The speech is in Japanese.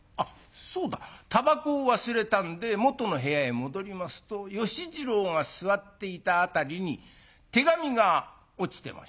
タバコを忘れたんでもとの部屋へ戻りますと芳次郎が座っていた辺りに手紙が落ちてまして。